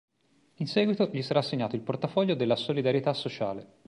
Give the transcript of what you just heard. In seguito gli sarà assegnato il portafoglio della Solidarietà sociale.